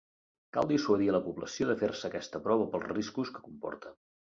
Cal dissuadir a la població de fer-se aquesta prova pels riscos que comporta.